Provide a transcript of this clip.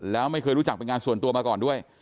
แล้วไม่เคยรู้จักเป็นงานส่วนตัวมาก่อนด้วย